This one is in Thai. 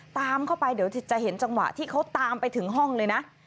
ตามเข้าไปเดี๋ยวจะเห็นจังหวะที่เขาตามไปถึงห้องเลยนะ